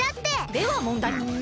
ではもんだい！